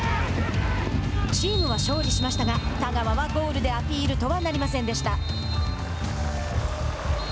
チームは勝利しましたが田川はゴールでアピールとはなりませんでした。